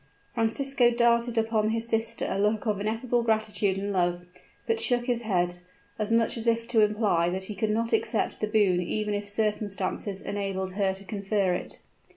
Francisco darted upon his sister a look of ineffable gratitude and love, but shook his head, as much as to imply that he could not accept the boon even if circumstances enabled her to confer it!